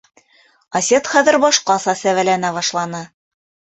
Асет хәҙер башҡаса сәбәләнә башланы.